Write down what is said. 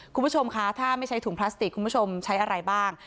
คุณผู้ชมคะถ้าไม่ใช้ถุงพลาสติกคุณผู้ชมใช้อะไรบ้าง